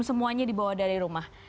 semuanya dibawa dari rumah